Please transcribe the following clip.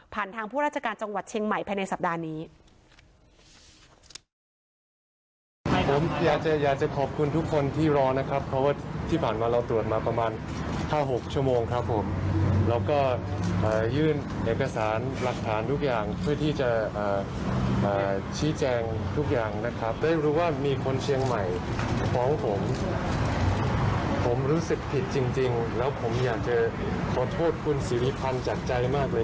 ทางผู้ราชการจังหวัดเชียงใหม่ภายในสัปดาห์นี้